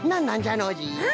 ノージー。